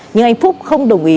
nhưng anh phúc không đồng ý